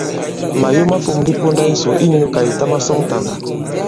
Màyo ma fōm ndi ponda yisò inyū kà ìta masɔŋtàgà.